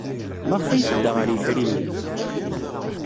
Maɣef ay tedda ɣer yifri-nni?